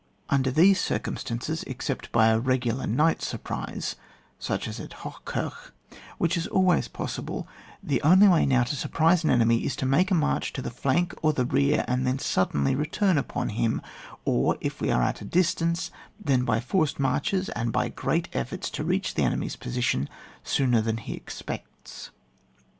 Under these circumstance, except by a regular night surprise (as at Hoch kirch), which is altoays possible, the only way now to surprise an enemy is to make a march to the flank or the rear, and then suddenly return upon him ; or if we are at a distance, then by forced marches, and by great efforts, to reach the enemy's position sooner than he ex pects.